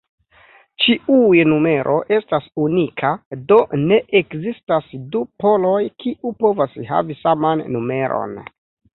Ĉiuj numero estas unika, do ne ekzistas du poloj kiu povas havi saman numeron.